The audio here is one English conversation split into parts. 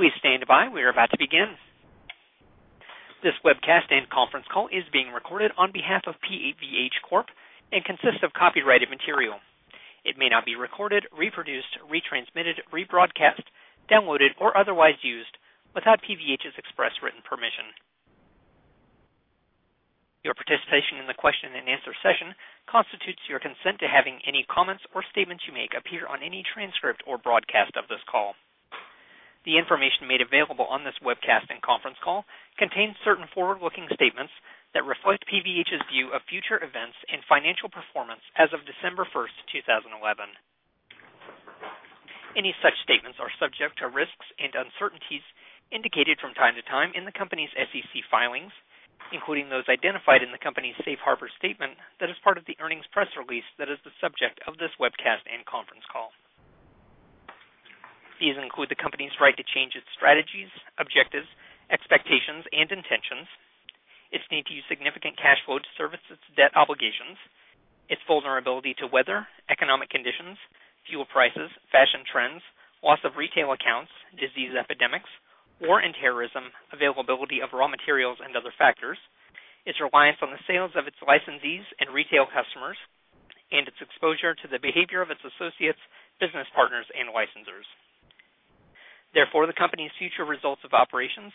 Please stand by. We are about to begin. This webcast and conference call is being recorded on behalf of PVH Corp and consists of copyrighted material. It may not be recorded, reproduced, retransmitted, rebroadcast, downloaded, or otherwise used without PVH's express written permission. Your participation in the question and answer session constitutes your consent to having any comments or statements you make appear on any transcript or broadcast of this call. The information made available on this webcast and conference call contains certain forward-looking statements that reflect PVH's view of future events and financial performance as of December 1st, 2011. Any such statements are subject to risks and uncertainties indicated from time to time in the company's SEC filings, including those identified in the company's safe harbor statement that is part of the earnings press release that is the subject of this webcast and conference call. These include the company's right to change its strategies, objectives, expectations, and intentions, its need to use significant cash flow to service its debt obligations, its vulnerability to weather, economic conditions, fuel prices, fashion trends, loss of retail accounts, disease epidemics, war and terrorism, availability of raw materials, and other factors, its reliance on the sales of its licensees and retail customers, and its exposure to the behavior of its associates, business partners, and licensors. Therefore, the company's future results of operations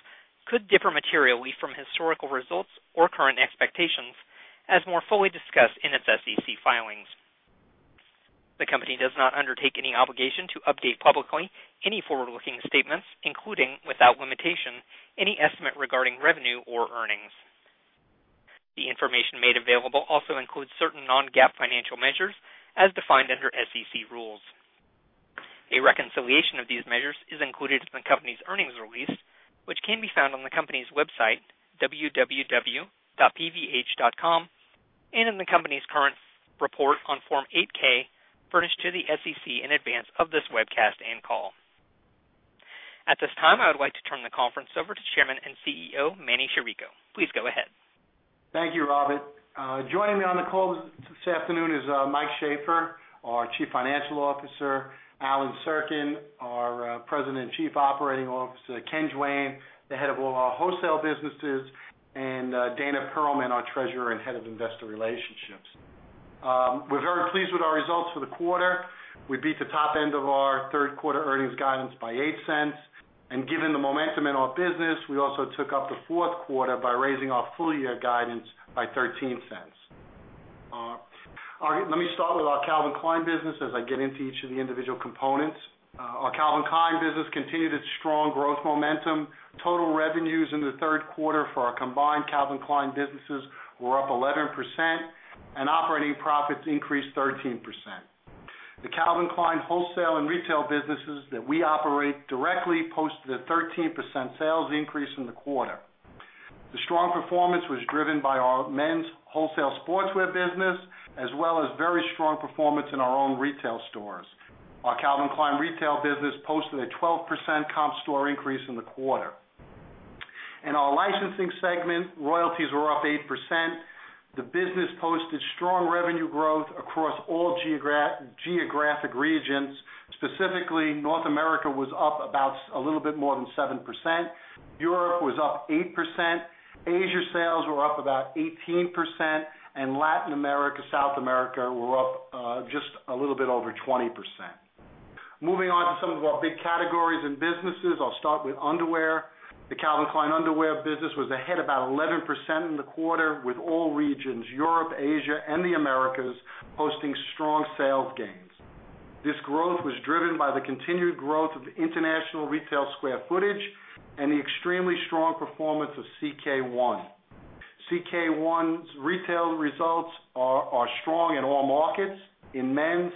could differ materially from historical results or current expectations as more fully discussed in its SEC filings. The company does not undertake any obligation to update publicly any forward-looking statements, including, without limitation, any estimate regarding revenue or earnings. The information made available also includes certain non-GAAP financial measures as defined under SEC rules. A reconciliation of these measures is included in the company's earnings release, which can be found on the company's website, www.pvh.com, and in the company's current report on Form 8-K, furnished to the SEC in advance of this webcast and call. At this time, I would like to turn the conference over to Chairman and CEO Manny Chirico. Please go ahead. Thank you, Ravit. Joining me on the call this afternoon is Mike Shaffer, our Chief Financial Officer, Allen Sirkin, our President and Chief Operating Officer, Ken Duane, the Head of all our Wholesale Businesses, and Dana Perlman, our Treasurer and Head of Investor Relationships. We're very pleased with our results for the quarter. We beat the top end of our third quarter earnings guidance by $0.08. Given the momentum in our business, we also took up the fourth quarter by raising our full-year guidance by $0.13. Let me start with our Calvin Klein business as I get into each of the individual components. Our Calvin Klein business continued its strong growth momentum. Total revenues in the third quarter for our combined Calvin Klein businesses were up 11%, and operating profits increased 13%. The Calvin Klein wholesale and retail businesses that we operate directly posted a 13% sales increase in the quarter. The strong performance was driven by our men's wholesale sportswear business, as well as very strong performance in our own retail stores. Our Calvin Klein retail business posted a 12% comp store increase in the quarter. In our licensing segment, royalties were up 8%. The business posted strong revenue growth across all geographic regions. Specifically, North America was up about a little bit more than 7%. Europe was up 8%. Asia sales were up about 18%. Latin America and South America were up just a little bit over 20%. Moving on to some of our big categories and businesses, I'll start with underwear. The Calvin Klein underwear business was ahead about 11% in the quarter, with all regions—Europe, Asia, and the Americas—posting strong sales gains. This growth was driven by the continued growth of international retail square footage and the extremely strong performance of CK One. CK One's retail results are strong in all markets. In men's,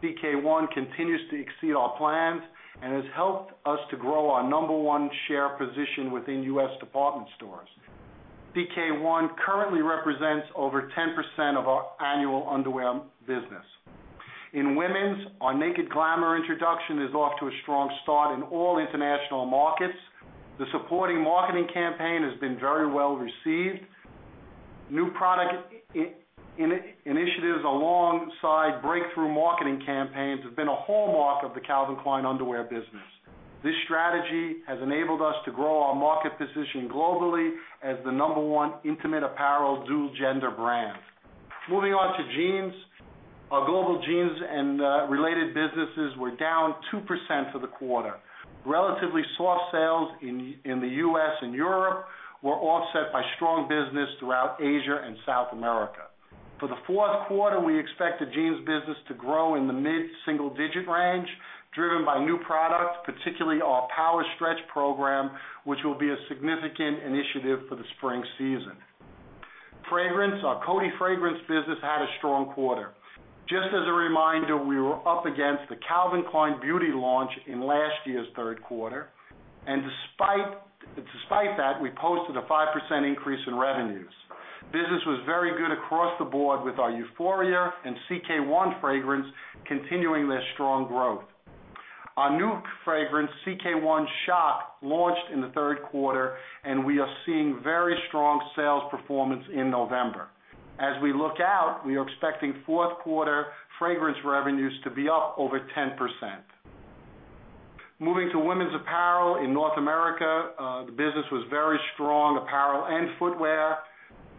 CK One continues to exceed our plans and has helped us to grow our number one share position within U.S. department stores. CK One currently represents over 10% of our annual underwear business. In women's, our Naked Glamour introduction is off to a strong start in all international markets. The supporting marketing campaign has been very well received. New product initiatives alongside breakthrough marketing campaigns have been a hallmark of the Calvin Klein underwear business. This strategy has enabled us to grow our market position globally as the number one intimate apparel dual-gender brand. Moving on to jeans, our global jeans and related businesses were down 2% for the quarter. Relatively soft sales in the U.S. and Europe were offset by strong business throughout Asia and South America. For the fourth quarter, we expect the jeans business to grow in the mid-single-digit range, driven by new products, particularly our Power Stretch program, which will be a significant initiative for the spring season. Fragrance, our Coty fragrance business had a strong quarter. Just as a reminder, we were up against the Calvin Klein Beauty launch in last year's third quarter. Despite that, we posted a 5% increase in revenues. Business was very good across the board with our Euphoria and CK One fragrance continuing their strong growth. Our new fragrance, CK One Shock, launched in the third quarter, and we are seeing very strong sales performance in November. As we look out, we are expecting fourth quarter fragrance revenues to be up over 10%. Moving to women's apparel in North America, the business was very strong apparel and footwear.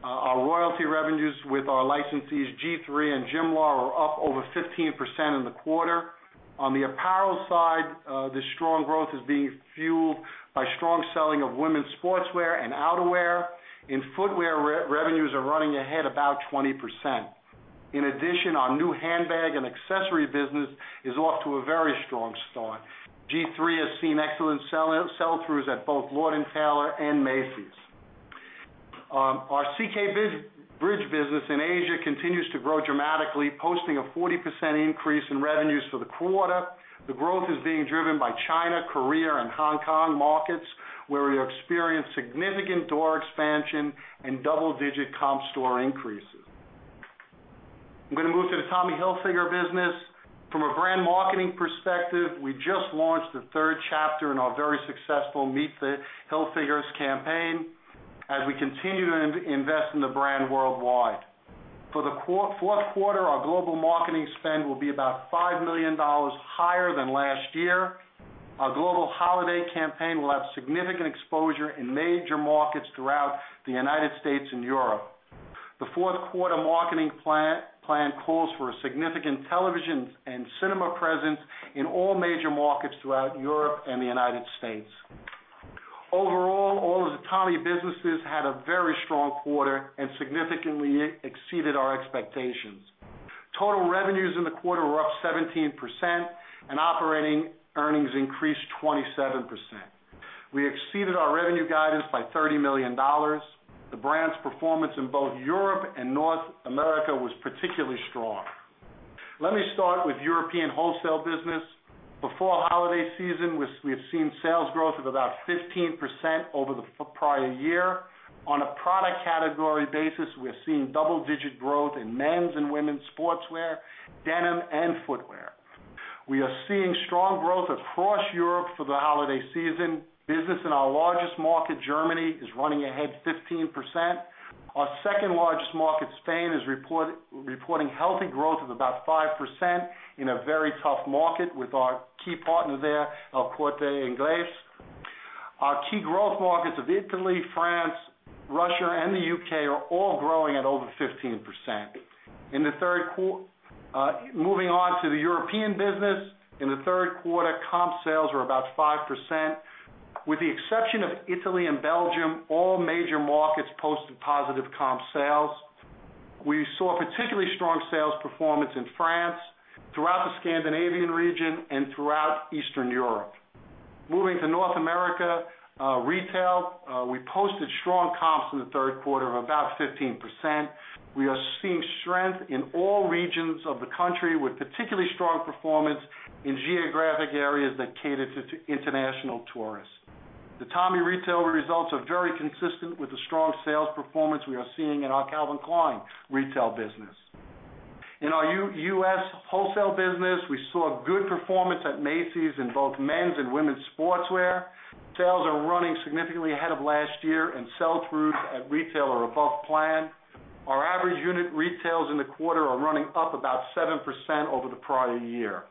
Our royalty revenues with our licensees G-III and Jimlar were up over 15% in the quarter. On the apparel side, this strong growth is being fueled by strong selling of women's sportswear and outerwear. In Footwear, revenues are running ahead about 20%. In addition, our new handbag and accessory business is off to a very strong start. G-III has seen excellent sell-throughs at both Lord & Taylor and Macy's. Our CK Bridge business in Asia continues to grow dramatically, posting a 40% increase in revenues for the quarter. The growth is being driven by China, Korea, and Hong Kong markets, where we have experienced significant door expansion and double-digit comp store increases. I'm going to move to the Tommy Hilfiger business. From a brand marketing perspective, we just launched the third chapter in our very successful Meet the Hilfigers campaign as we continue to invest in the brand worldwide. For the fourth quarter, our global marketing spend will be about $5 million higher than last year. Our global holiday campaign will have significant exposure in major markets throughout the United States and Europe. The fourth quarter marketing plan calls for a significant television and cinema presence in all major markets throughout Europe and the United States. Overall, all of the Tommy businesses had a very strong quarter and significantly exceeded our expectations. Total revenues in the quarter were up 17%, and operating earnings increased 27%. We exceeded our revenue guidance by $30 million. The brand's performance in both Europe and North America was particularly strong. Let me start with the European wholesale business. Before holiday season, we have seen sales growth of about 15% over the prior year. On a product category basis, we're seeing double-digit growth in men's and women's sportswear, denim, and footwear. We are seeing strong growth across Europe for the holiday season. Business in our largest market, Germany, is running ahead 15%. Our second largest market, Spain, is reporting healthy growth of about 5% in a very tough market with our key partner there, El Corte Inglés. Our key growth markets of Italy, France, Russia, and the U.K. are all growing at over 15%. In the third quarter, moving on to the European business, in the third quarter, comp sales were about 5%. With the exception of Italy and Belgium, all major markets posted positive comp sales. We saw particularly strong sales performance in France, throughout the Scandinavian region, and throughout Eastern Europe. Moving to North America, retail, we posted strong comps in the third quarter of about 15%. We are seeing strength in all regions of the country with particularly strong performance in geographic areas that cater to international tourists. The Tommy retail results are very consistent with the strong sales performance we are seeing in our Calvin Klein retail business. In our U.S. wholesale business, we saw good performance at Macy's in both men's and women's sportswear. Sales are running significantly ahead of last year, and sell-throughs at retail are above plan. Our average unit retails in the quarter are running up about 7% over the prior year.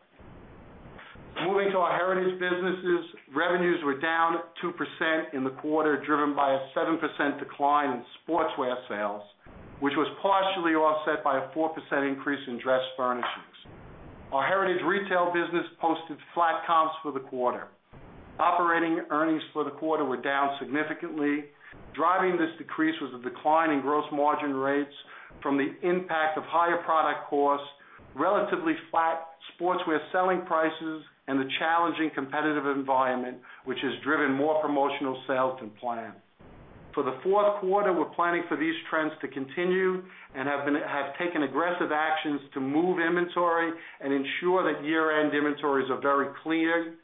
Moving to our Heritage businesses, revenues were down 2% in the quarter, driven by a 7% decline in sportswear sales, which was partially offset by a 4% increase in dress furnishings. Our Heritage retail business posted flat comps for the quarter. Operating earnings for the quarter were down significantly. Driving this decrease was a decline in gross margin rates from the impact of higher product costs, relatively flat sportswear selling prices, and the challenging competitive environment, which has driven more promotional sales than planned. For the fourth quarter, we're planning for these trends to continue and have taken aggressive actions to move inventory and ensure that year-end inventories are very clear.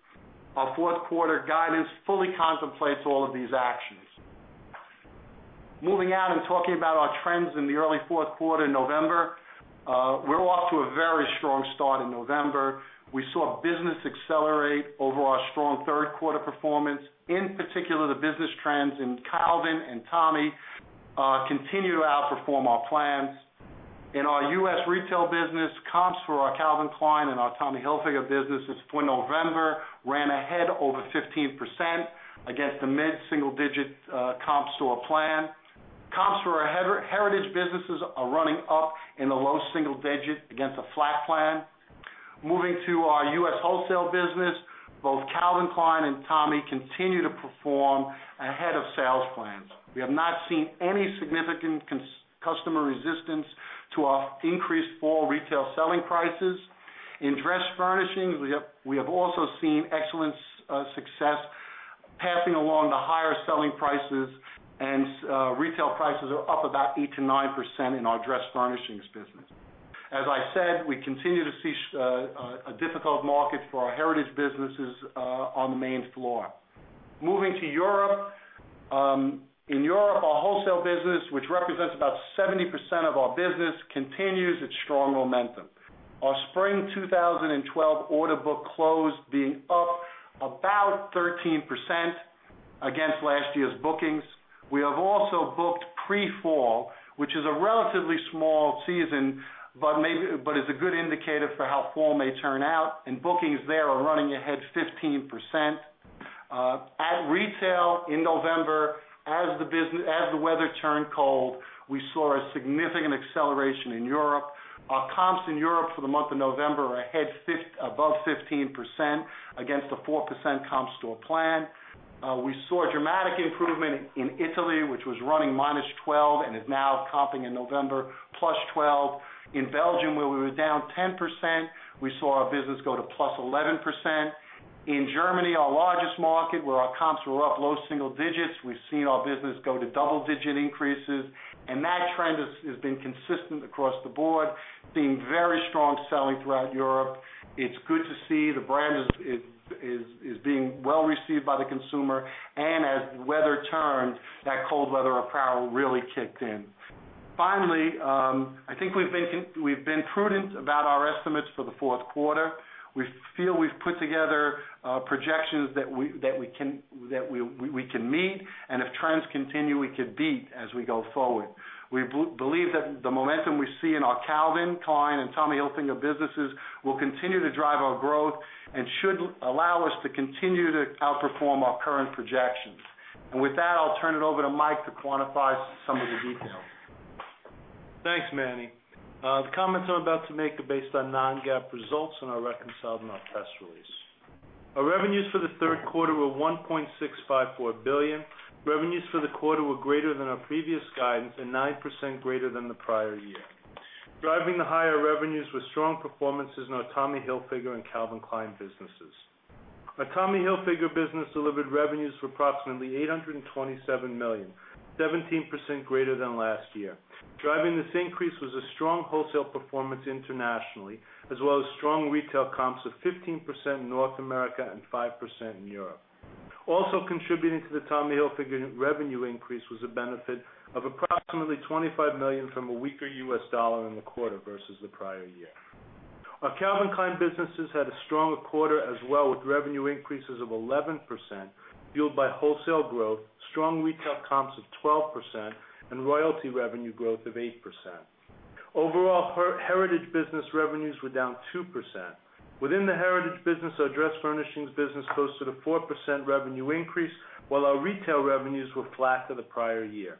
Our fourth quarter guidance fully contemplates all of these actions. Moving out and talking about our trends in the early fourth quarter in November, we're off to a very strong start in November. We saw business accelerate over our strong third quarter performance. In particular, the business trends in Calvin and Tommy continue to outperform our plans. In our U.S. retail business, comps for our Calvin Klein and our Tommy Hilfiger business, it's for November, ran ahead over 15% against a mid-single-digit comp store plan. Comps for our Heritage businesses are running up in the low single digit against a flat plan. Moving to our U.S. wholesale business, both Calvin Klein and Tommy continue to perform ahead of sales plans. We have not seen any significant customer resistance to our increased fall retail selling prices. In dress furnishings, we have also seen excellent success passing along the higher selling prices, and retail prices are up about 8%-9% in our dress furnishings business. As I said, we continue to see a difficult market for our Heritage businesses on the main floor. Moving to Europe, in Europe, our wholesale business, which represents about 70% of our business, continues its strong momentum. Our spring 2012 order book closed being up about 13% against last year's bookings. We have also booked pre-fall, which is a relatively small season, but is a good indicator for how fall may turn out, and bookings there are running ahead 15%. At retail in November, as the weather turned cold, we saw a significant acceleration in Europe. Our comps in Europe for the month of November are ahead above 15% against a 4% comp store plan. We saw a dramatic improvement in Italy, which was running -12% and is now comping in November +12%. In Belgium, where we were down 10%, we saw our business go to +11%. In Germany, our largest market, where our comps were up low single digits, we've seen our business go to double-digit increases. That trend has been consistent across the board, seeing very strong selling throughout Europe. It's good to see the brand is being well received by the consumer. As the weather turned, that cold weather apparel really kicked in. Finally, I think we've been prudent about our estimates for the fourth quarter. We feel we've put together projections that we can meet. If trends continue, we could beat as we go forward. We believe that the momentum we see in our Calvin Klein and Tommy Hilfiger businesses will continue to drive our growth and should allow us to continue to outperform our current projections. With that, I'll turn it over to Mike to quantify some of the details. Thanks, Manny. The comments I'm about to make are based on non-GAAP results in our reconciled mock test release. Our revenues for the third quarter were $1.654 billion. Revenues for the quarter were greater than our previous guidance and 9% greater than the prior year. Driving the higher revenues were strong performances in our Tommy Hilfiger and Calvin Klein businesses. Our Tommy Hilfiger business delivered revenues of approximately $827 million, 17% greater than last year. Driving this increase was a strong wholesale performance internationally, as well as strong retail comps of 15% in North America and 5% in Europe. Also contributing to the Tommy Hilfiger revenue increase was the benefit of approximately $25 million from a weaker U.S. dollar in the quarter versus the prior year. Our Calvin Klein businesses had a strong quarter as well, with revenue increases of 11% fueled by wholesale growth, strong retail comps of 12%, and royalty revenue growth of 8%. Overall, Heritage business revenues were down 2%. Within the Heritage business, our dress furnishings business posted a 4% revenue increase, while our retail revenues were flat for the prior year.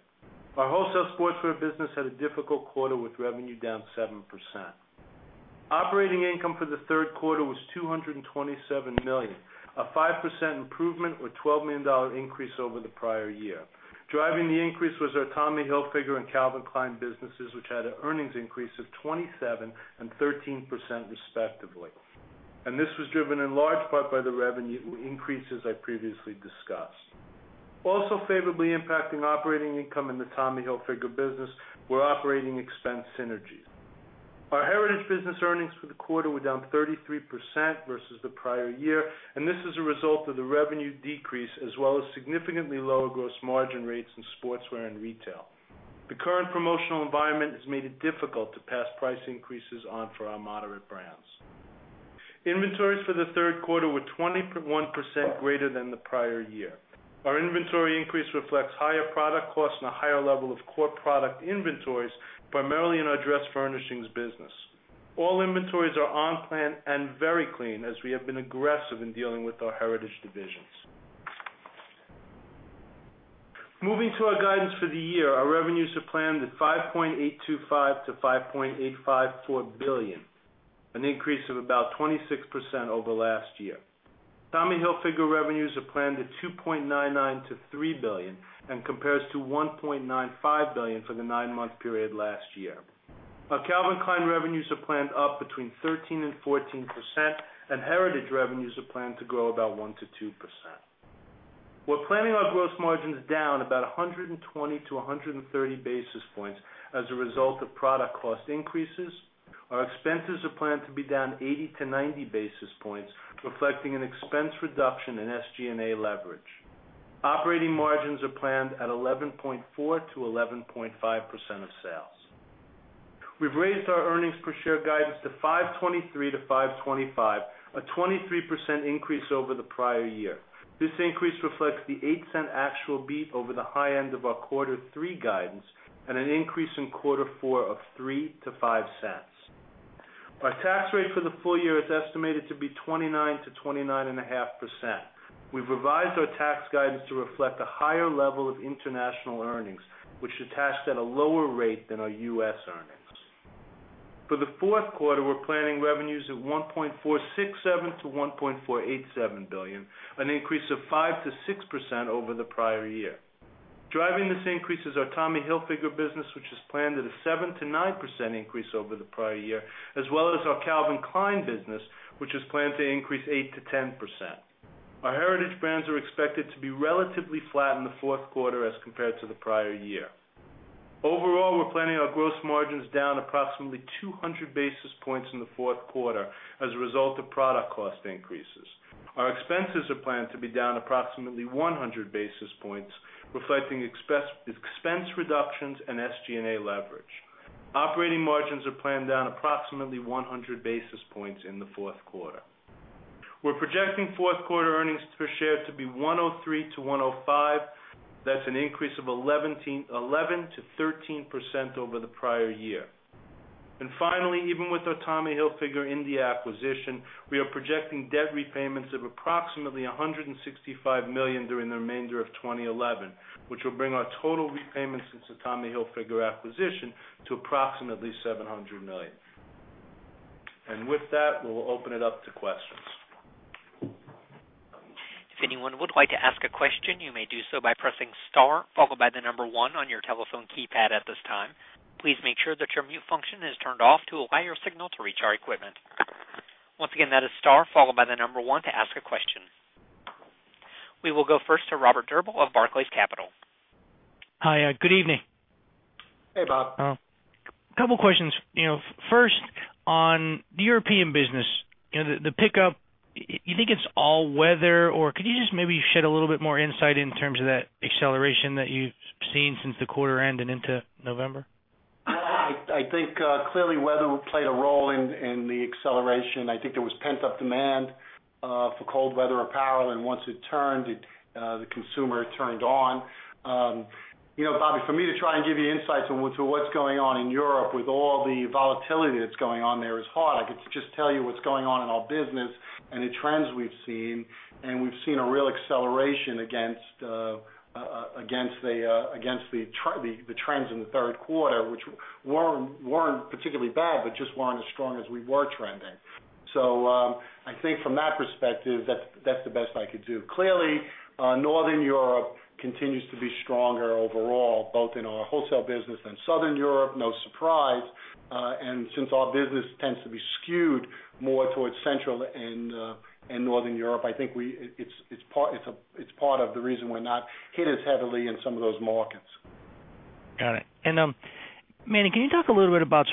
Our wholesale sportswear business had a difficult quarter with revenue down 7%. Operating income for the third quarter was $227 million, a 5% improvement or $12 million increase over the prior year. Driving the increase was our Tommy Hilfiger and Calvin Klein businesses, which had an earnings increase of 27% and 13% respectively. This was driven in large part by the revenue increases I previously discussed. Also favorably impacting operating income in the Tommy Hilfiger business were operating expense synergies. Our Heritage business earnings for the quarter were down 33% versus the prior year. This is a result of the revenue decrease, as well as significantly lower gross margin rates in sportswear and retail. The current promotional environment has made it difficult to pass price increases on for our moderate brands. Inventories for the third quarter were 21% greater than the prior year. Our inventory increase reflects higher product costs and a higher level of core product inventories, primarily in our dress furnishings business. All inventories are on plan and very clean, as we have been aggressive in dealing with our Heritage divisions. Moving to our guidance for the year, our revenues are planned at $5.825 billion-$5.854 billion, an increase of about 26% over last year. Tommy Hilfiger revenues are planned at $2.99 billion-$3 billion and compares to $1.95 billion for the nine-month period last year. Our Calvin Klein revenues are planned up between 13%-14%, and Heritage revenues are planned to grow about 1%-2%. We're planning our gross margins down about 120-130 basis points as a result of product cost increases. Our expenses are planned to be down 80-90 basis points, reflecting an expense reduction in SG&A leverage. Operating margins are planned at 11.4%-11.5% of sales. We've raised our earnings per share guidance to $5.23-$5.25, a 23% increase over the prior year. This increase reflects the $0.08 actual beat over the high end of our quarter three guidance and an increase in quarter four of $0.03-$0.05. Our tax rate for the full year is estimated to be 29%-29.5%. We've revised our tax guidance to reflect a higher level of international earnings, which are taxed at a lower rate than our U.S. earnings. For the fourth quarter, we're planning revenues at $1.467 billion-$1.487 billion, an increase of 5%-6% over the prior year. Driving this increase is our Tommy Hilfiger business, which is planned at a 7%-9% increase over the prior year, as well as our Calvin Klein business, which is planned to increase 8%-10%. Our Heritage brands are expected to be relatively flat in the fourth quarter as compared to the prior year. Overall, we're planning our gross margins down approximately 200 basis points in the fourth quarter as a result of product cost increases. Our expenses are planned to be down approximately 100 basis points, reflecting expense reductions and SG&A leverage. Operating margins are planned down approximately 100 basis points in the fourth quarter. We're projecting fourth quarter earnings per share to be $1.03 -$1.05. That's an increase of 11%-13% over the prior year. Finally, even with our Tommy Hilfiger India acquisition, we are projecting debt repayments of approximately $165 million during the remainder of 2011, which will bring our total repayments since the Tommy Hilfiger acquisition to approximately $700 million. With that, we'll open it up to questions. If anyone would like to ask a question, you may do so by pressing star, followed by the number one on your telephone keypad at this time. Please make sure that your mute function is turned off to allow your signal to reach our equipment. Once again, that is star, followed by the number one to ask a question. We will go first to Robert Drbul of Barclays Capital. Hi, good evening. Hey, Bob. A couple of questions. First, on the European business, the pickup, do you think it's all weather, or could you just maybe shed a little bit more insight in terms of that acceleration that you've seen since the quarter ended into November? I think clearly weather played a role in the acceleration. I think there was pent-up demand for cold weather apparel, and once it turned, the consumer turned on. Bobby, for me to try and give you insights on what's going on in Europe with all the volatility that's going on there is hard. I could just tell you what's going on in our business and the trends we've seen. We've seen a real acceleration against the trends in the third quarter, which weren't particularly bad, but just weren't as strong as we were trending. I think from that perspective, that's the best I could do. Clearly, Northern Europe continues to be stronger overall, both in our wholesale business and Southern Europe, no surprise. Since our business tends to be skewed more towards Central and Northern Europe, I think it's part of the reason we're not hit as heavily in some of those markets. Got it. Manny, can you talk a little bit about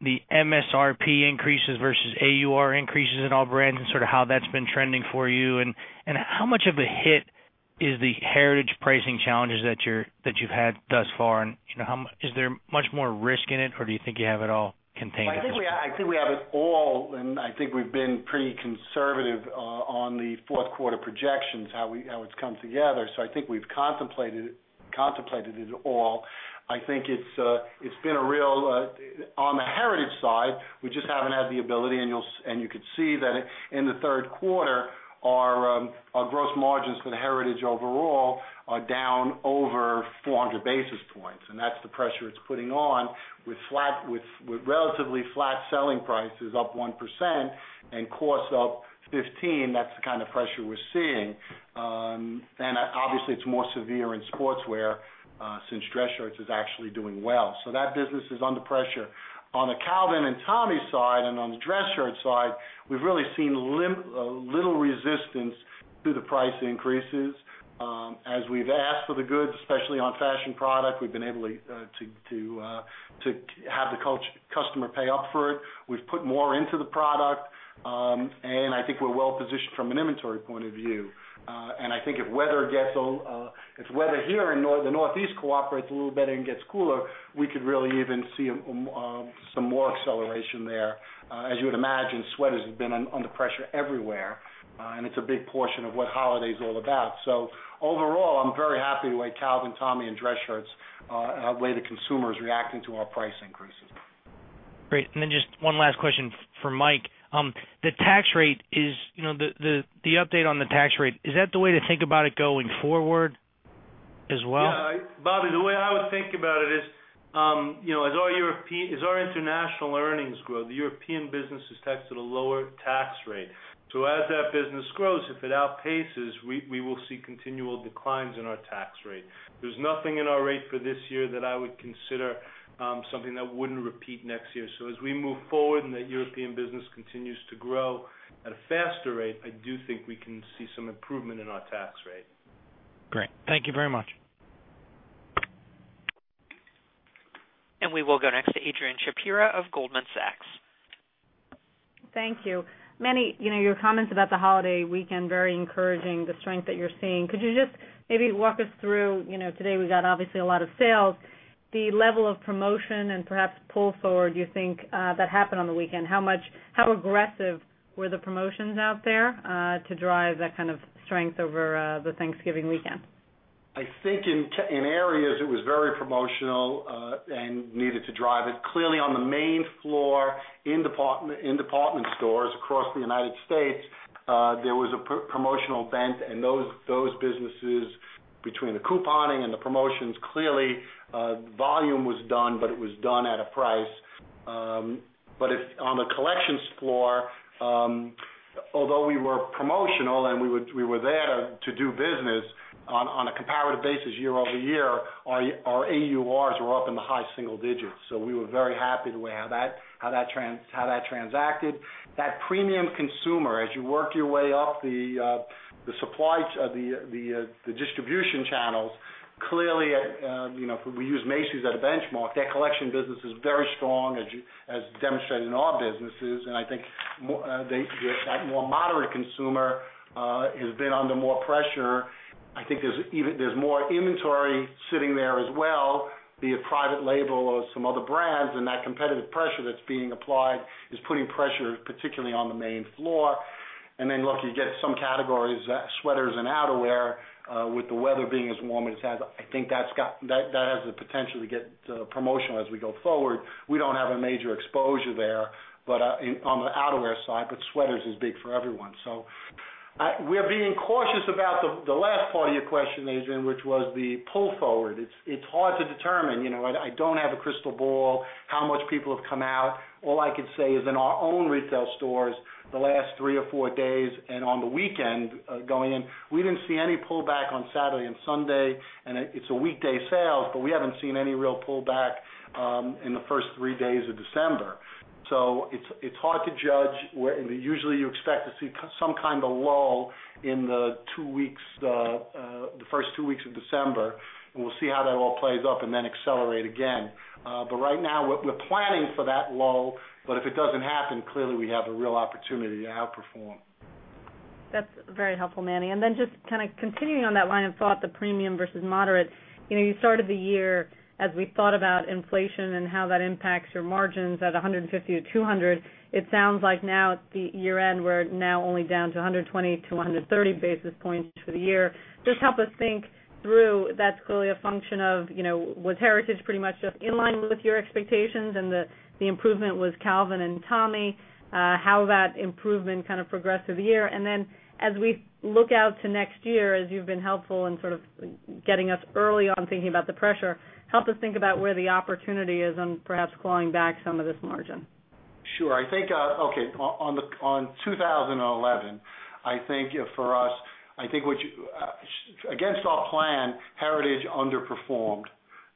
the MSRP increases versus AUR increases in all brands and how that's been trending for you? How much of a hit is the Heritage pricing challenges that you've had thus far? Is there much more risk in it, or do you think you have it all contained? I think we have it all, and I think we've been pretty conservative on the fourth quarter projections, how it's come together. I think we've contemplated it all. It's been a real, on the Heritage side, we just haven't had the ability, and you could see that in the third quarter, our gross margins for the Heritage overall are down over 400 basis points. That's the pressure it's putting on with relatively flat selling prices up 1% and costs up 15%. That's the kind of pressure we're seeing. Obviously, it's more severe in sportswear since dress shirts is actually doing well. That business is under pressure. On the Calvin and Tommy side and on the dress shirt side, we've really seen little resistance to the price increases. As we've asked for the goods, especially on fashion product, we've been able to have the customer pay up for it. We've put more into the product. I think we're well positioned from an inventory point of view. I think if weather here in the Northeast cooperates a little better and gets cooler, we could really even see some more acceleration there. As you would imagine, sweaters have been under pressure everywhere. It's a big portion of what holiday is all about. Overall, I'm very happy the way Calvin, Tommy, and dress shirts, the way the consumer is reacting to our price increases. Great. Just one last question for Mike. The tax rate is, you know, the update on the tax rate, is that the way to think about it going forward as well? Yeah, Bobby, the way I would think about it is, you know, as our international earnings grow, the European business is taxed at a lower tax rate. As that business grows, if it outpaces, we will see continual declines in our tax rate. There's nothing in our rate for this year that I would consider something that wouldn't repeat next year. As we move forward and that European business continues to grow at a faster rate, I do think we can see some improvement in our tax rate. Great, thank you very much. We will go next to Adrianne Shapira of Goldman Sachs. Thank you. Manny, your comments about the holiday weekend are very encouraging, the strength that you're seeing. Could you just maybe walk us through, today we got obviously a lot of sales. The level of promotion and perhaps pull forward, do you think that happened on the weekend? How aggressive were the promotions out there to drive that kind of strength over the Thanksgiving weekend? I think in areas it was very promotional and needed to drive it. Clearly, on the main floor in department stores across the United States, there was a promotional event, and those businesses, between the couponing and the promotions, clearly volume was done, but it was done at a price. On the collections floor, although we were promotional and we were there to do business on a comparative basis year-over-year, our AURs were up in the high single digits. We were very happy the way how that transacted. That premium consumer, as you worked your way up the distribution channels, clearly, you know, we use Macy's as a benchmark. Their collection business is very strong, as demonstrated in our businesses. I think the more moderate consumer has been under more pressure. I think there's more inventory sitting there as well, be it private label or some other brands. That competitive pressure that's being applied is putting pressure particularly on the main floor. You get some categories, sweaters and outerwear, with the weather being as warm as it has. I think that has the potential to get promotional as we go forward. We don't have a major exposure there on the outerwear side, but sweaters is big for everyone. We are being cautious about the last part of your question, Adrienne, which was the pull forward. It's hard to determine. I don't have a crystal ball how much people have come out. All I could say is in our own retail stores the last three or four days and on the weekend going in, we didn't see any pullback on Saturday and Sunday. It's a weekday sales, but we haven't seen any real pullback in the first three days of December. It's hard to judge. Usually, you expect to see some kind of lull in the first two weeks of December. We'll see how that all plays up and then accelerate again. Right now, we're planning for that lull. If it doesn't happen, clearly we have a real opportunity to outperform. That's very helpful, Manny. Just kind of continuing on that line of thought, the premium versus moderate, you know, you started the year as we thought about inflation and how that impacts your margins at 150-200 basis points. It sounds like now at the year end, we're now only down to 120-130 basis points for the year. Just help us think through. That's clearly a function of, you know, was Heritage pretty much just in line with your expectations and the improvement was Calvin and Tommy? How that improvement kind of progressed through the year? As we look out to next year, as you've been helpful in sort of getting us early on thinking about the pressure, help us think about where the opportunity is on perhaps clawing back some of this margin. Sure. I think on 2011, for us, against our plan, Heritage underperformed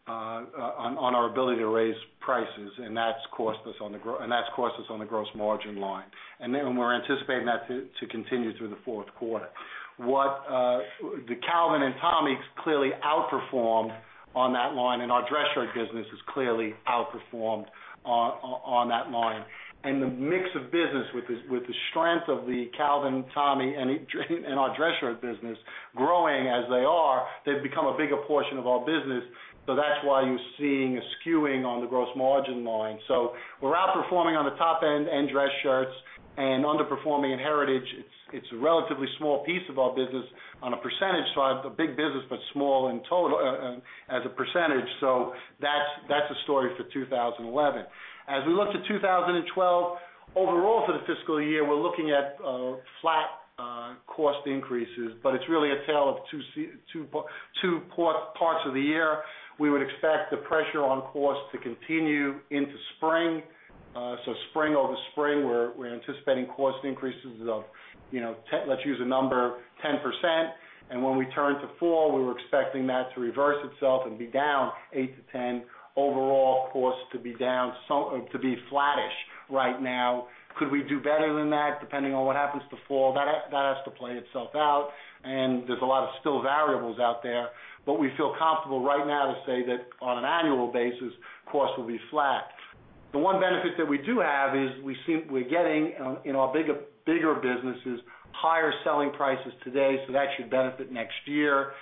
on our ability to raise prices. That's cost us on the gross margin line, and we're anticipating that to continue through the fourth quarter. Calvin and Tommy clearly outperformed on that line, and our dress shirt business has clearly outperformed on that line. The mix of business, with the strength of Calvin, Tommy, and our dress shirt business growing as they are, they've become a bigger portion of our business. That's why you're seeing a skewing on the gross margin line. We're outperforming on the top end and dress shirts and underperforming in Heritage. It's a relatively small piece of our business on a percentage side, a big business but small in total as a percentage. That's a story for 2011. As we look to 2012 overall for the fiscal year, we're looking at flat cost increases, but it's really a tale of two parts of the year. We would expect the pressure on cost to continue into spring. Spring over spring, we're anticipating cost increases of, you know, let's use a number, 10%. When we turn to fall, we were expecting that to reverse itself and be down 8%-10% overall, cost to be down, to be flattish right now. Could we do better than that depending on what happens to fall? That has to play itself out, and there's a lot of still variables out there. We feel comfortable right now to say that on an annual basis, costs will be flat. The one benefit that we do have is we're getting in our bigger businesses higher selling prices today. That should benefit next year.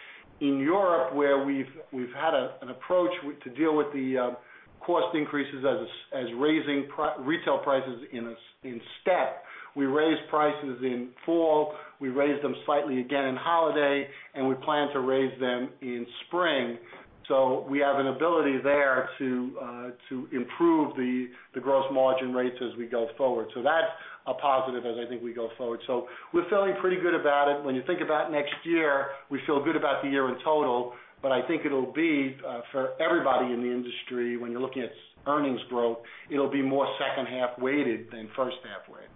In Europe, where we've had an approach to deal with the cost increases as raising retail prices in step, we raised prices in fall, we raised them slightly again in holiday, and we plan to raise them in spring. We have an ability there to improve the gross margin rates as we go forward. That's a positive as I think we go forward. We're feeling pretty good about it. When you think about next year, we feel good about the year in total. I think it'll be for everybody in the industry, when you're looking at earnings growth, it'll be more second half weighted than first half weighted.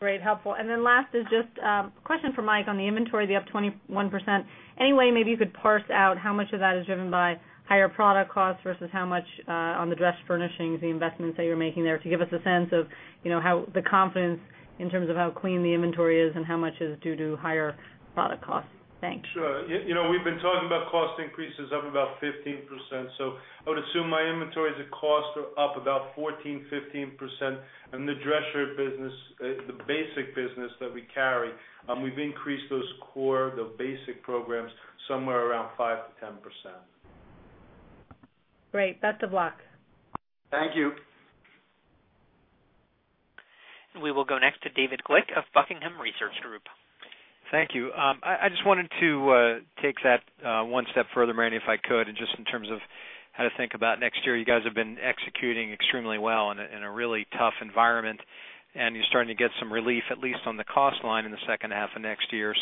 Great, helpful. Last is just a question for Mike on the inventory, the up 21%. Any way maybe you could parse out how much of that is driven by higher product costs versus how much on the dress furnishings, the investments that you're making there to give us a sense of how the confidence in terms of how clean the inventory is and how much is due to higher product costs? Thanks. Sure. We've been talking about cost increases up about 15%. I would assume my inventories at cost are up about 14%-15%. The dress shirt business, the basic business that we carry, we've increased those core, the basic programs somewhere around 5%-10%. Great. Best of luck. Thank you. We will go next to David Glick of The Buckingham Research Group. Thank you. I just wanted to take that one step further, Manny, if I could, and just in terms of how to think about next year. You guys have been executing extremely well in a really tough environment. You're starting to get some relief, at least on the cost line in the second half of next year.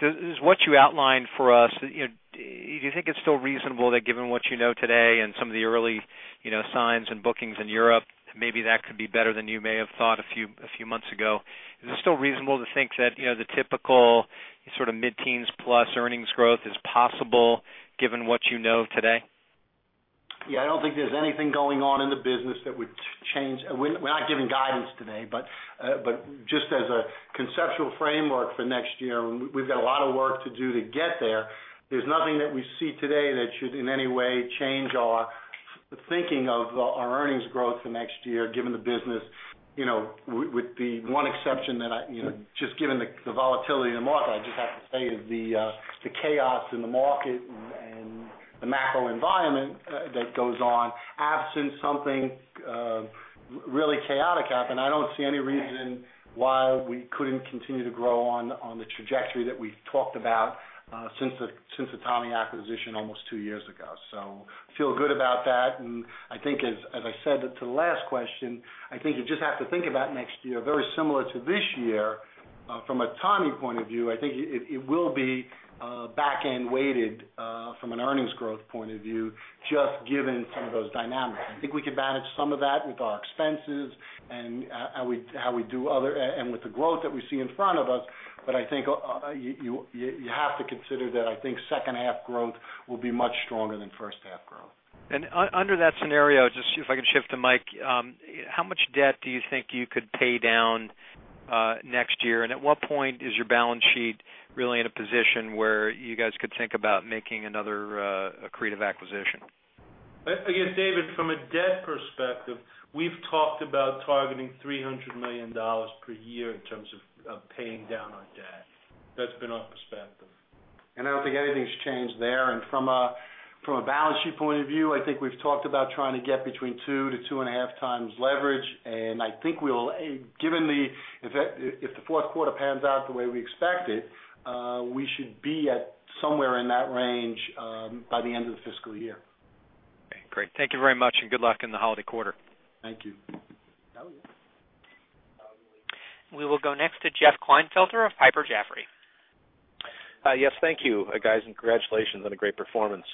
Is what you outlined for us, do you think it's still reasonable that given what you know today and some of the early signs and bookings in Europe, maybe that could be better than you may have thought a few months ago? Is it still reasonable to think that the typical sort of mid-teens plus earnings growth is possible given what you know today? Yeah, I don't think there's anything going on in the business that would change. We're not giving guidance today, but just as a conceptual framework for next year, we've got a lot of work to do to get there. There's nothing that we see today that should in any way change our thinking of our earnings growth for next year, given the business, with the one exception that, just given the volatility in the market, I just have to say is the chaos in the market and the macro environment that goes on. Absent something really chaotic happening, I don't see any reason why we couldn't continue to grow on the trajectory that we've talked about since the Tommy acquisition almost two years ago. I feel good about that. I think, as I said to the last question, you just have to think about next year very similar to this year from a Tommy point of view. I think it will be back-end weighted from an earnings growth point of view, just given some of those dynamics. I think we can manage some of that with our expenses and how we do other and with the growth that we see in front of us. I think you have to consider that second half growth will be much stronger than first half growth. If I could shift to Mike, how much debt do you think you could pay down next year? At what point is your balance sheet really in a position where you guys could think about making another creative acquisition? I guess, David, from a debt perspective, we've talked about targeting $300 million per year in terms of paying down our debt. That's been our perspective. I don't think anything's changed there. From a balance sheet point of view, I think we've talked about trying to get between 2x-2.5x leverage. I think we will, if the fourth quarter pans out the way we expect it, we should be at somewhere in that range by the end of the fiscal year. Okay, great. Thank you very much. Good luck in the holiday quarter. Thank you. We will go next to Jeff Klinefelter of Piper Jaffray. Yes, thank you, guys. Congratulations on a great performance.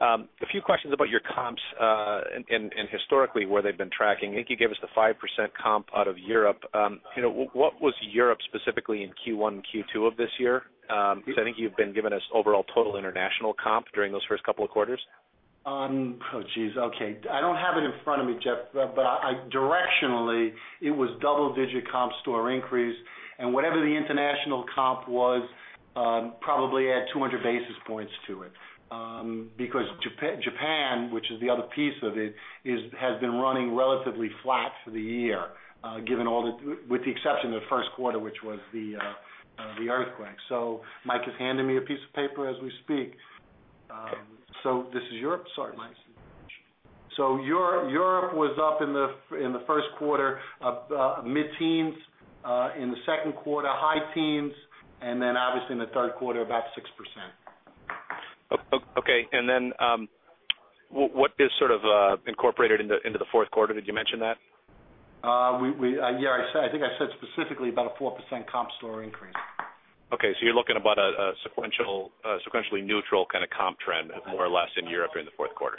A few questions about your comps and historically where they've been tracking. I think you gave us the 5% comp out of Europe. What was Europe specifically in Q1 and Q2 of this year? I think you've been giving us overall total international comp during those first couple of quarters. Okay. I don't have it in front of me, Jeff, but directionally, it was double-digit comp store increase. Whatever the international comp was probably added 200 basis points to it. Japan, which is the other piece of it, has been running relatively flat for the year, with the exception of the first quarter, which was the earthquake. Mike is handing me a piece of paper as we speak. This is Europe. Sorry, Mike. Europe was up in the first quarter mid-teens, in the second quarter high teens, and obviously in the third quarter about 6%. Okay. What is sort of incorporated into the fourth quarter? Did you mention that? Yeah, I think I said specifically about a 4% comp store increase. Okay, you're looking at about a sequentially neutral kind of comp trend, more or less, in Europe during the fourth quarter.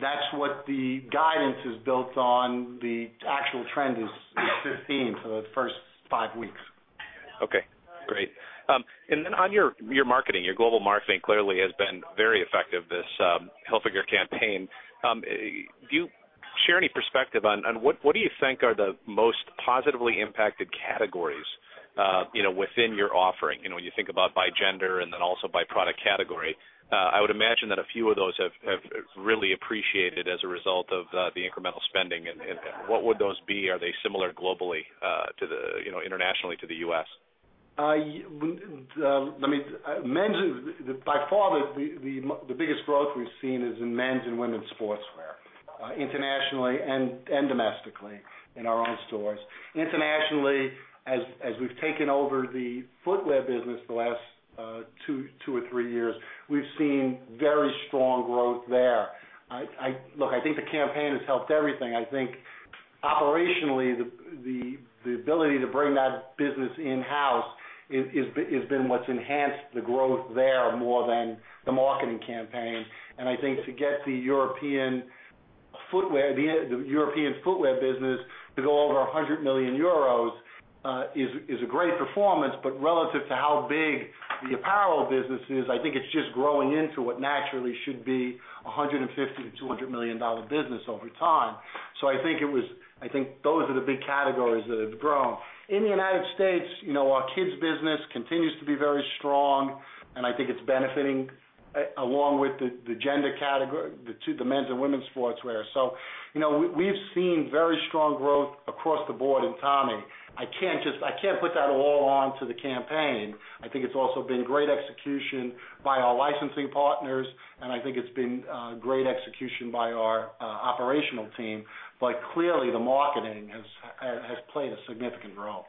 That's what the guidance is built on. The actual trend is 15% for the first five weeks. Okay, great. On your marketing, your global marketing clearly has been very effective, this Hilfiger campaign. Do you share any perspective on what you think are the most positively impacted categories within your offering? When you think about by gender and then also by product category, I would imagine that a few of those have really appreciated as a result of the incremental spending. What would those sbe? Are they similar globally to the, you know, internationally to the U.S.? I imagine that by far the biggest growth we've seen is in men's and women's sportswear internationally and domestically in our own stores. Internationally, as we've taken over the footwear business the last two or three years, we've seen very strong growth there. I think the campaign has helped everything. I think operationally, the ability to bring that business in-house has been what's enhanced the growth there more than the marketing campaign. I think to get the European footwear business to go over 100 million euros is a great performance. Relative to how big the apparel business is, I think it's just growing into what naturally should be a $150 million-$200 million business over time. I think those are the big categories that have grown. In the United States, our kids' business continues to be very strong. I think it's benefiting along with the gender category, the men's and women's sportswear. We've seen very strong growth across the board in Tommy. I can't put that all onto the campaign. I think it's also been great execution by our licensing partners. I think it's been great execution by our operational team. Clearly, the marketing has played a significant role.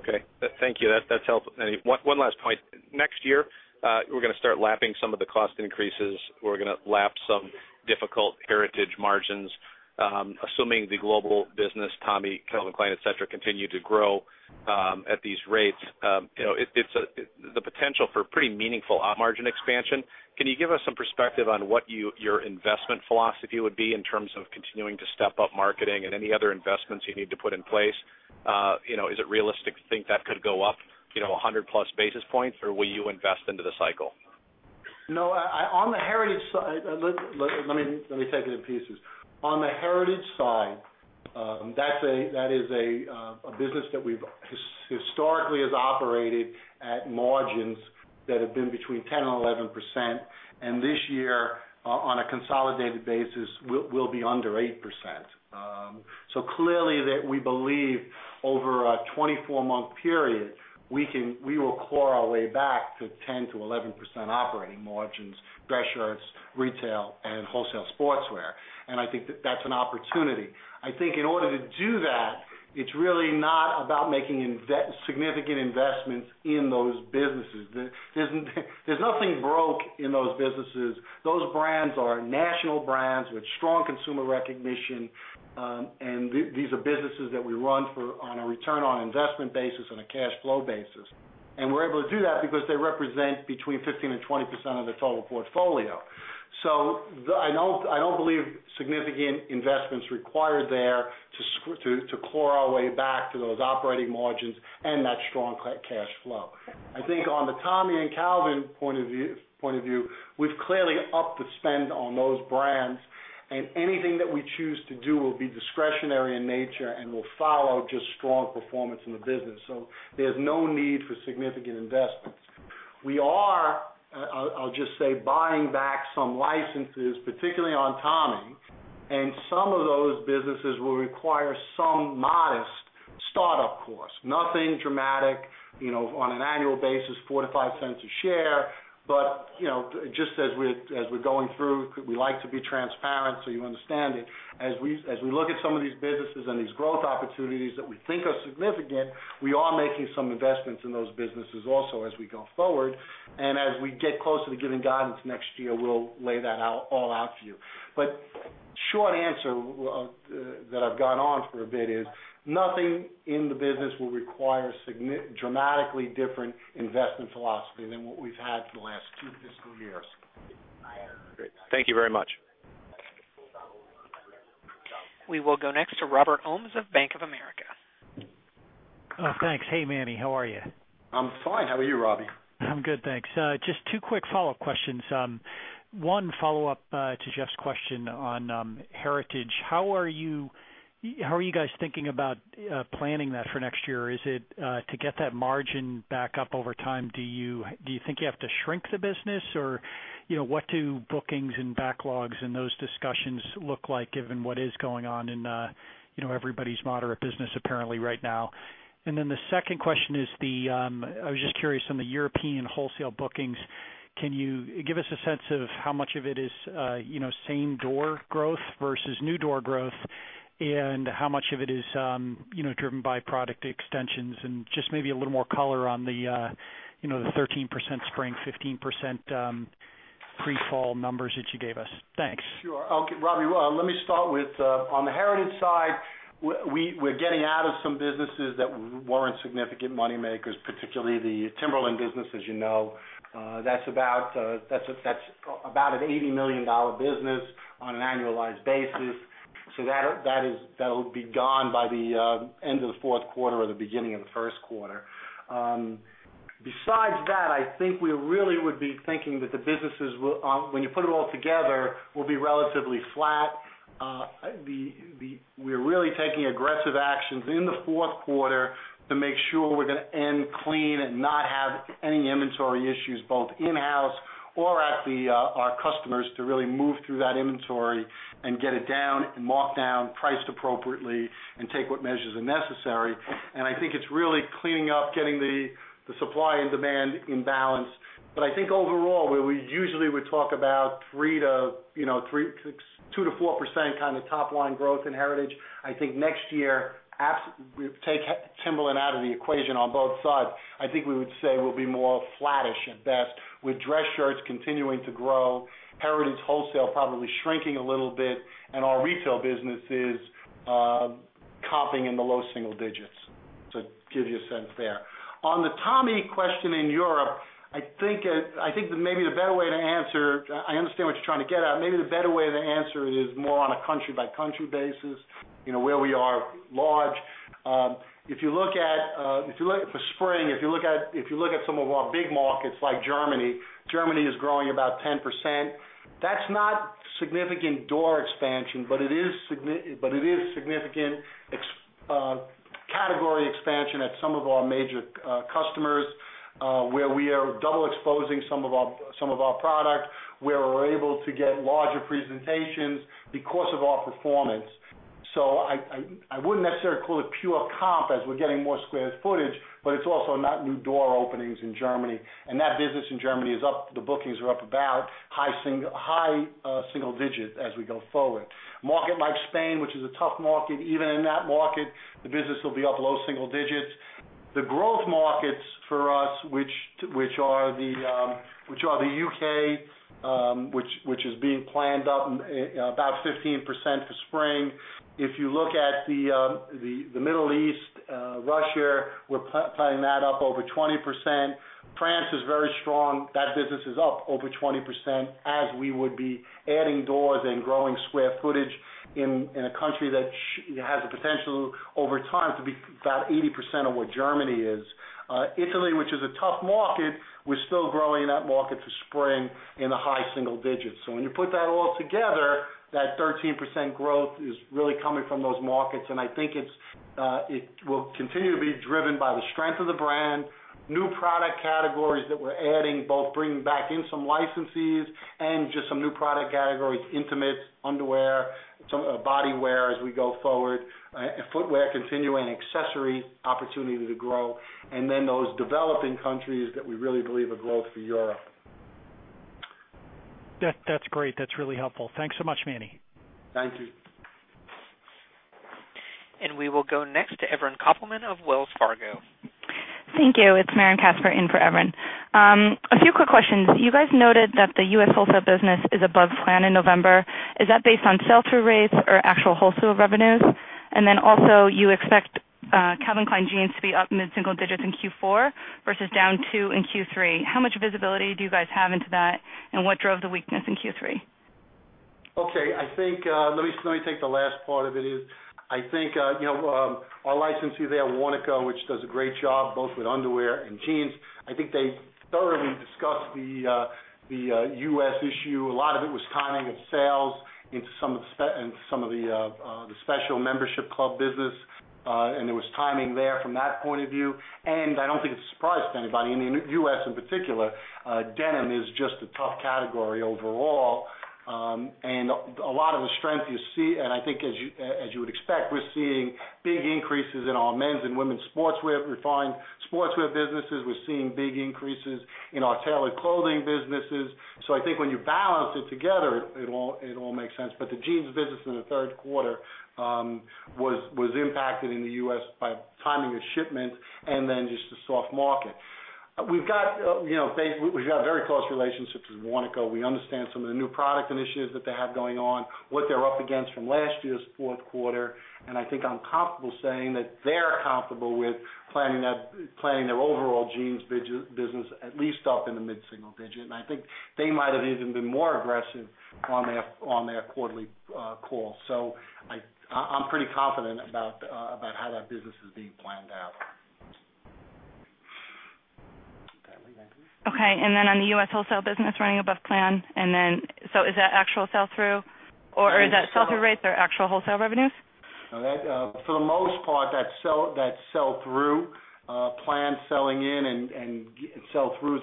Okay. Thank you. That's helpful. One last point. Next year, we're going to start lapping some of the cost increases. We're going to lap some difficult Heritage margins, assuming the global business, Tommy, Calvin Klein, etc., continue to grow at these rates. It's the potential for pretty meaningful margin expansion. Can you give us some perspective on what your investment philosophy would be in terms of continuing to step up marketing and any other investments you need to put in place? Is it realistic to think that could go up 100+ basis points, or will you invest into the cycle? No, on the Heritage side, let me take it in pieces. On the Heritage side, that is a business that we've historically operated at margins that have been between 10%-11%. This year, on a consolidated basis, we'll be under 8%. Clearly, we believe over a 24-month period, we will claw our way back to 10%-11% operating margins, dress shirts, retail, and wholesale sportswear. I think that that's an opportunity. I think in order to do that, it's really not about making significant investments in those businesses. There's nothing broke in those businesses. Those brands are national brands with strong consumer recognition. These are businesses that we run on a return on investment basis and a cash flow basis. We're able to do that because they represent between 15%-20% of the total portfolio. I don't believe significant investments are required there to claw our way back to those operating margins and that strong cash flow. I think on the Tommy and Calvin point of view, we've clearly upped the spend on those brands. Anything that we choose to do will be discretionary in nature and will follow just strong performance in the business. There's no need for significant investments. We are, I'll just say, buying back some licenses, particularly on Tommy. Some of those businesses will require some modest startup cost. Nothing dramatic, you know, on an annual basis, $0.45 a share. Just as we're going through, we like to be transparent so you understand it. As we look at some of these businesses and these growth opportunities that we think are significant, we are making some investments in those businesses also as we go forward. As we get closer to giving guidance next year, we'll lay that all out to you. The short answer that I've gone on for a bit is nothing in the business will require a dramatically different investment philosophy than what we've had for the last two fiscal years. Thank you very much. We will go next to Robert Ohmes of Bank of America. Oh, thanks. Hey, Manny. How are you? I'm fine. How are you, Robby? I'm good, thanks. Just two quick follow-up questions. One, follow-up to Jeff's question on Heritage. How are you guys thinking about planning that for next year? Is it to get that margin back up over time? Do you think you have to shrink the business, or what do bookings and backlogs and those discussions look like given what is going on in everybody's moderate business apparently right now? The second question is, I was just curious on the European wholesale bookings. Can you give us a sense of how much of it is same door growth versus new door growth, and how much of it is driven by product extensions? Maybe a little more color on the 13% spring, 15% pre-fall numbers that you gave us. Thanks. Sure. Robby, let me start with on the Heritage side, we're getting out of some businesses that weren't significant moneymakers, particularly the Timberland business, as you know. That's about an $80 million business on an annualized basis. That'll be gone by the end of the fourth quarter or the beginning of the first quarter. Besides that, I think we really would be thinking that the businesses, when you put it all together, will be relatively flat. We're really taking aggressive actions in the fourth quarter to make sure we're going to end clean and not have any inventory issues both in-house or at our customers to really move through that inventory and get it down and marked down, priced appropriately, and take what measures are necessary. I think it's really cleaning up, getting the supply and demand in balance. Overall, where we usually would talk about 2%-4% kind of top-line growth in Heritage, I think next year, absolutely take Timberland out of the equation on both sides. I think we would say we'll be more flattish at best, with dress shirts continuing to grow, Heritage wholesale probably shrinking a little bit, and our retail business is comping in the low single digits, to give you a sense there. On the Tommy question in Europe, I think maybe the better way to answer, I understand what you're trying to get at, maybe the better way to answer it is more on a country-by-country basis, you know, where we are large. If you look at, if you look for spring, if you look at some of our big markets like Germany, Germany is growing about 10%. That's not significant door expansion, but it is significant. It's category expansion at some of our major customers where we are double exposing some of our product, where we're able to get larger presentations because of our performance. I wouldn't necessarily call it pure comp as we're getting more square footage, but it's also not new door openings in Germany. That business in Germany is up, the bookings are up about high single digits as we go forward. Market like Spain, which is a tough market, even in that market, the business will be up low single digits. The growth markets for us, which are the U.K., which is being planned up about 15% for spring. If you look at the Middle East, Russia, we're planning that up over 20%. France is very strong. That business is up over 20% as we would be adding doors and growing square footage in a country that has the potential over time to be about 80% of what Germany is. Italy, which is a tough market, we're still growing that market for spring in the high single digits. When you put that all together, that 13% growth is really coming from those markets. I think it will continue to be driven by the strength of the brand, new product categories that we're adding, both bringing back in some licenses and just some new product categories, intimates, underwear, some bodywear as we go forward, and footwear continuing an accessory opportunity to grow. Those developing countries that we really believe are growth for Europe. That's great. That's really helpful. Thanks so much, Manny. Thank you. We will go next to Evren Kopelman of Wells Fargo. Thank you. It's Megan Casper in for Evan. A few quick questions. You guys noted that the U.S. wholesale business is above plan in November. Is that based on sell-through rates or actual wholesale revenues? You expect Calvin Klein jeans to be up mid-single digits in Q4 versus down 2% in Q3. How much visibility do you guys have into that? What drove the weakness in Q3? Okay. I think let me take the last part of it. I think our licensee there, Warnaco, which does a great job both with underwear and jeans, thoroughly discussed the U.S. issue. A lot of it was timing of sales into some of the special membership club business. There was timing there from that point of view. I don't think it's a surprise to anybody in the U.S. in particular. Denim is just a tough category overall. A lot of the strength you see, as you would expect, we're seeing big increases in our men's and women's sportswear businesses. We're seeing big increases in our tailored clothing businesses. I think when you balance it together, it all makes sense. The jeans business in the third quarter was impacted in the U.S. by timing of shipment and just the soft market. We've got a very close relationship with Warnaco. We understand some of the new product initiatives that they have going on, what they're up against from last year's fourth quarter. I'm comfortable saying that they're comfortable with planning their overall jeans business at least up in the mid-single digit. I think they might have even been more aggressive on their quarterly call. I'm pretty confident about how that business is being planned out. Okay. On the U.S. wholesale business running above plan, is that actual sell-through, or is that sell-through rates or actual wholesale revenues? For the most part, that's sell-through, planned selling in, and sell-through,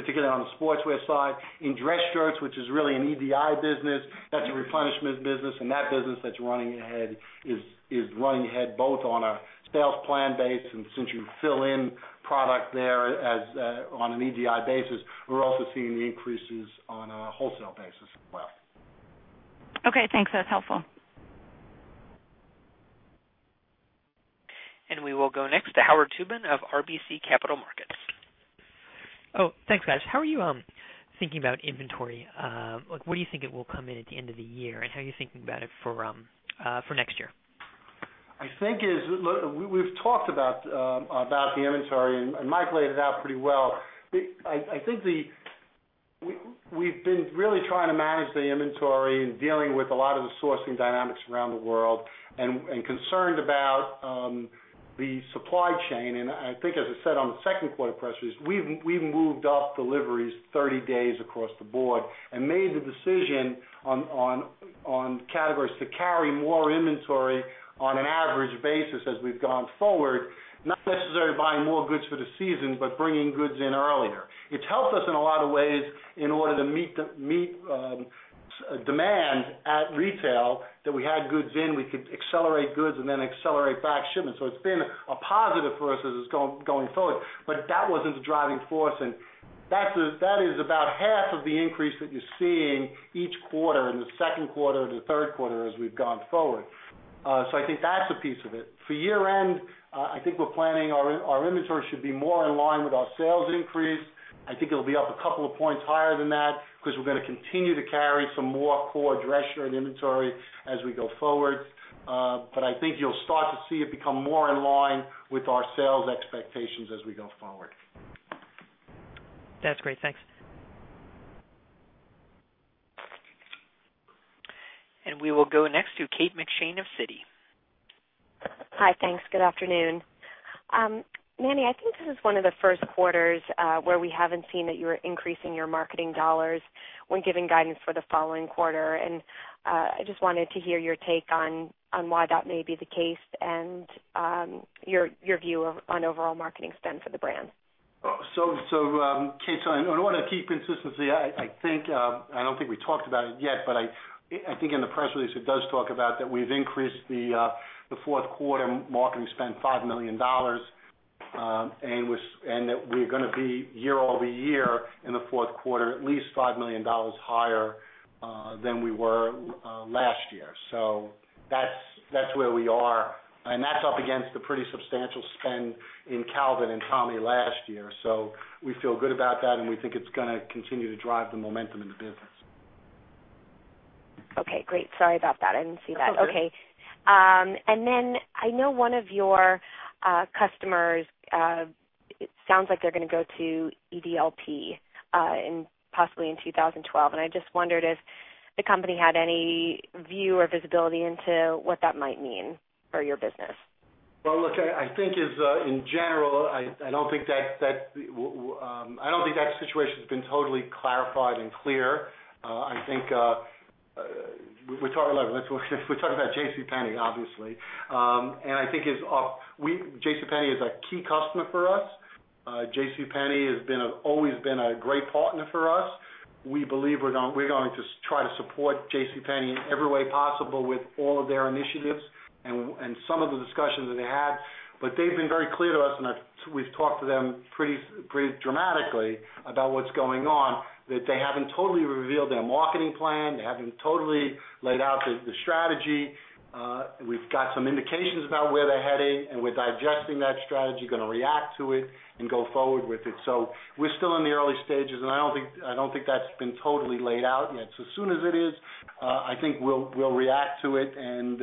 particularly on the sportswear side. In dress shirts, which is really an EDI business, that's a replenishment business. That business that's running ahead is running ahead both on a sales plan basis, and since you fill in product there on an EDI basis, we're also seeing the increases on a wholesale basis as well. Okay, thanks. That's helpful. We will go next to Howard Tubin of RBC Capital Markets. Thanks, guys. How are you thinking about inventory? Where do you think it will come in at the end of the year? How are you thinking about it for next year? I think we've talked about the inventory, and Mike laid it out pretty well. I think we've been really trying to manage the inventory and dealing with a lot of the sourcing dynamics around the world, concerned about the supply chain. As I said on the second quarter press release, we've moved off deliveries 30 days across the board and made the decision on categories to carry more inventory on an average basis as we've gone forward, not necessarily buying more goods for the season, but bringing goods in earlier. It's helped us in a lot of ways in order to meet demand at retail that we had goods in. We could accelerate goods and then accelerate back shipment. It's been a positive for us as it's going forward. That wasn't the driving force. That is about half of the increase that you're seeing each quarter in the second quarter and the third quarter as we've gone forward. I think that's a piece of it. For year-end, I think we're planning our inventory should be more in line with our sales increase. I think it'll be up a couple of points higher than that because we're going to continue to carry some more core dress shirt inventory as we go forward. I think you'll start to see it become more in line with our sales expectations as we go forward. That's great. Thanks. We will go next to Kate McShane of Citi. Hi, thanks. Good afternoon. Manny, I think this is one of the first quarters where we haven't seen that you were increasing your marketing dollars when giving guidance for the following quarter. I just wanted to hear your take on why that may be the case and your view on overall marketing spend for the brand. Kate, I wanted to keep consistency. I don't think we talked about it yet, but I think in the press release, it does talk about that we've increased the fourth quarter marketing spend $5 million. We're going to be year-over-year in the fourth quarter at least $5 million higher than we were last year. That's where we are, and that's up against the pretty substantial spend in Calvin and Tommy last year. We feel good about that, and we think it's going to continue to drive the momentum in the business. Okay, great. Sorry about that. I didn't see that. I know one of your customers sounds like they're going to go to EDLP and possibly in 2012. I just wondered if the company had any view or visibility into what that might mean for your business. I think in general, I don't think that situation has been totally clarified and clear. I think we're talking about JCPenney, obviously. I think JCPenney is a key customer for us. JCPenney has always been a great partner for us. We believe we're going to try to support JCPenney in every way possible with all of their initiatives and some of the discussions that they had. They've been very clear to us, and we've talked to them pretty dramatically about what's going on, that they haven't totally revealed their marketing plan. They haven't totally laid out the strategy. We've got some indications about where they're heading, and we're digesting that strategy, going to react to it and go forward with it. We're still in the early stages, and I don't think that's been totally laid out yet. As soon as it is, I think we'll react to it, and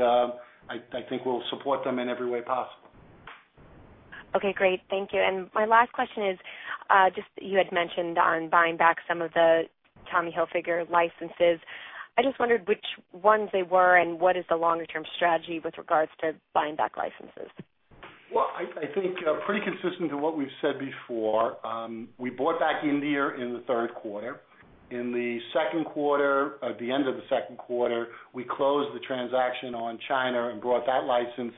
I think we'll support them in every way possible. Okay, great. Thank you. My last question is just you had mentioned on buying back some of the Tommy Hilfiger licenses. I just wondered which ones they were and what is the longer-term strategy with regards to buying back licenses. I think pretty consistent to what we've said before. We bought back India in the third quarter. In the second quarter, at the end of the second quarter, we closed the transaction on China and brought that license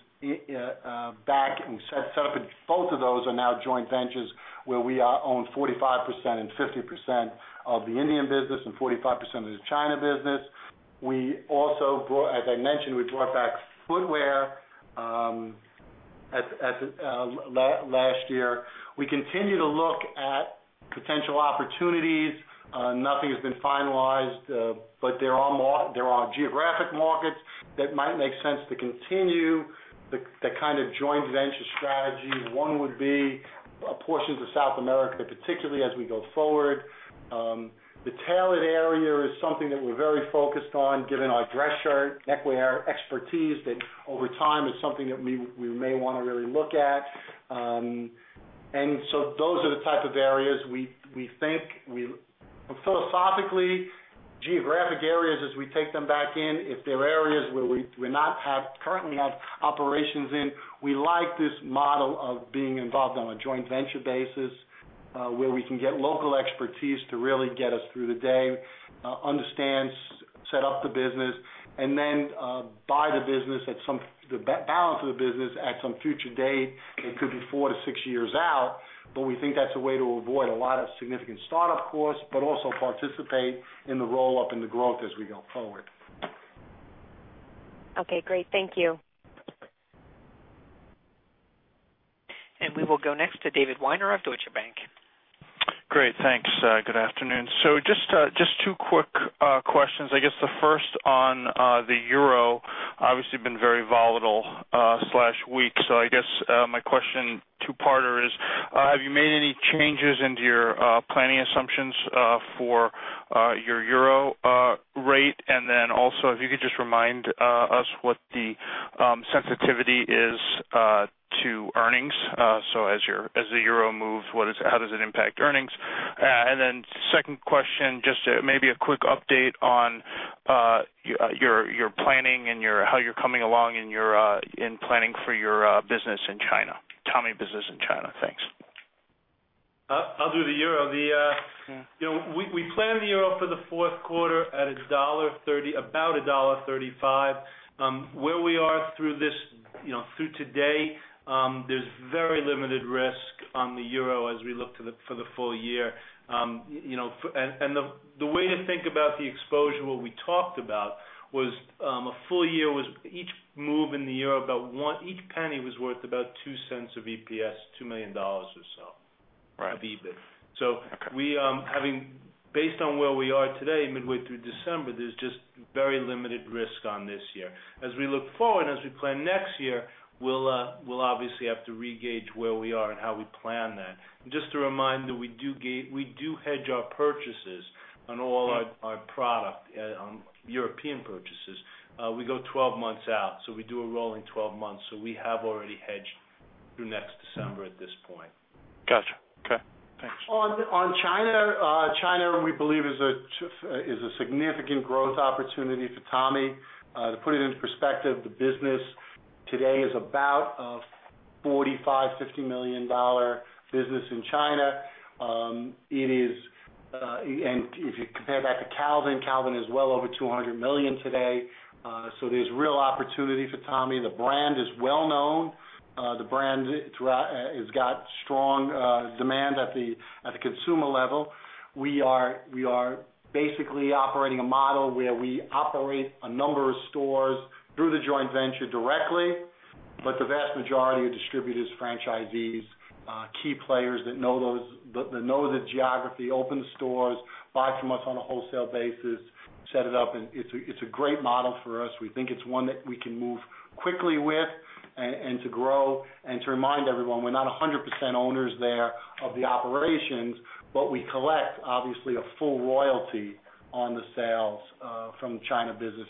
back. We set up both of those as joint ventures where we own 45% and 50% of the Indian business and 45% of the China business. We also brought back footwear last year. We continue to look at potential opportunities. Nothing has been finalized, but there are geographic markets that might make sense to continue that kind of joint venture strategy. One would be a portion of South America, particularly as we go forward. The tailored area is something that we're very focused on, given our dress shirt, neckwear expertise. Over time, that is something that we may want to really look at. Those are the types of areas we think philosophically, geographic areas as we take them back in. If there are areas where we currently have operations, we like this model of being involved on a joint venture basis where we can get local expertise to really get us through the day, understand, set up the business, and then buy the balance of the business at some future date that could be four-six years out. We think that's a way to avoid a lot of significant startup costs, but also participate in the roll-up and the growth as we go forward. Okay, great. Thank you. We will go next to David Weiner of Deutsche Bank. Great, thanks. Good afternoon. Just two quick questions. The first on the euro, obviously been very volatile and weak. My question is two-parter: have you made any changes into your planning assumptions for your euro rate? Also, if you could just remind us what the sensitivity is to earnings. As the euro moves, how does it impact earnings? Second question, maybe a quick update on your planning and how you're coming along in planning for your business in China, Tommy business in China. Thanks. I'll do the euro. We plan the euro for the fourth quarter at about $1.35. Where we are through this, through today, there's very limited risk on the euro as we look for the full year. The way to think about the exposure, what we talked about was a full year was each move in the euro, about one each penny was worth about $0.02 of EPS, $2 million or so of EBIT. Having based on where we are today, midway through December, there's just very limited risk on this year. As we look forward and as we plan next year, we'll obviously have to regauge where we are and how we plan that. Just to remind that we do hedge our purchases on all our product, on European purchases. We go 12 months out. We do a rolling 12 months. We have already hedged through next December at this point. Got you. Okay. Thanks. On China, we believe China is a significant growth opportunity for Tommy. To put it into perspective, the business today is about a $45 million-$50 million business in China. If you compare that to Calvin, Calvin is well over $200 million today. There's real opportunity for Tommy. The brand is well known. The brand has got strong demand at the consumer level. We are basically operating a model where we operate a number of stores through the joint venture directly, but the vast majority are distributors, franchisees, key players that know the geography, open the stores, buy from us on a wholesale basis, set it up. It's a great model for us. We think it's one that we can move quickly with to grow. To remind everyone, we're not 100% owners there of the operations, but we collect, obviously, a full royalty on the sales from China business.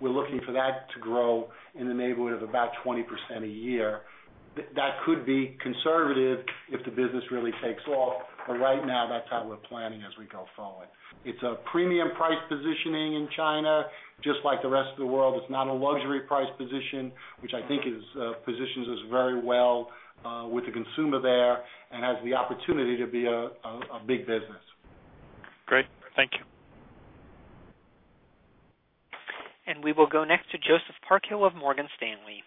We're looking for that to grow in the neighborhood of about 20% a year. That could be conservative if the business really takes off. Right now, that's how we're planning as we go forward. It's a premium price positioning in China, just like the rest of the world. It's not a luxury price position, which I think positions us very well with the consumer there and has the opportunity to be a big business. Great. Thank you. We will go next to Joseph Parkhill of Morgan Stanley.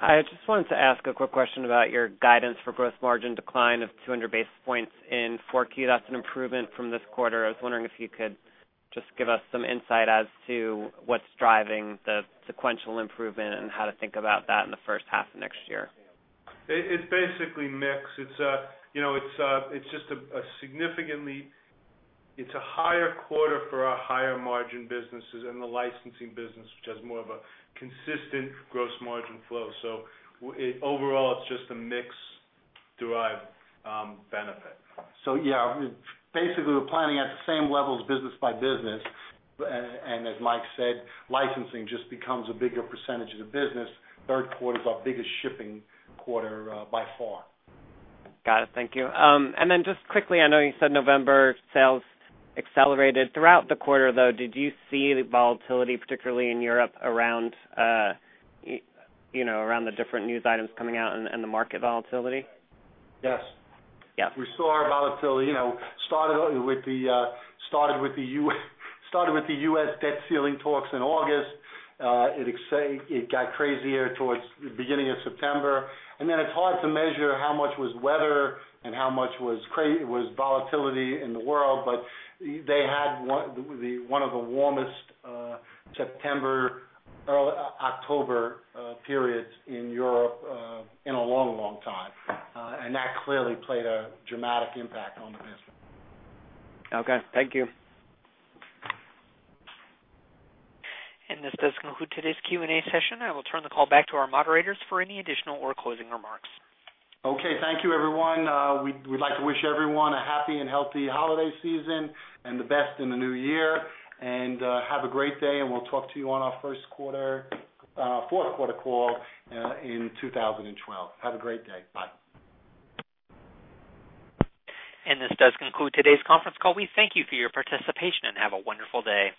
Hi. I just wanted to ask a quick question about your guidance for gross margin decline of 200 basis points in 4Q. That's an improvement from this quarter. I was wondering if you could just give us some insight as to what's driving the sequential improvement and how to think about that in the first half of next year. It's basically mixed. It's just a significantly, it's a higher quarter for our higher margin businesses and the licensing business, which has more of a consistent gross margin flow. Overall, it's just a mix-derived benefit. Yeah, basically, we're planning at the same levels business by business. As Mike said, licensing just becomes a bigger percentage of the business. Third quarter is our biggest shipping quarter by far. Got it. Thank you. I know you said November sales accelerated throughout the quarter, though. Did you see volatility, particularly in Europe, around the different news items coming out and the market volatility? Yes. We saw volatility. You know, started with the U.S. debt ceiling talks in August. It got crazier towards the beginning of September. It's hard to measure how much was weather and how much was volatility in the world. They had one of the warmest September, early October periods in Europe in a long, long time. That clearly played a dramatic impact on the business. Okay, thank you. This does conclude today's Q&A session. I will turn the call back to our moderators for any additional or closing remarks. Okay. Thank you, everyone. We'd like to wish everyone a happy and healthy holiday season and the best in the new year. Have a great day. We'll talk to you on our fourth quarter call in 2012. Have a great day. Bye. This does conclude today's conference call. We thank you for your participation and have a wonderful day.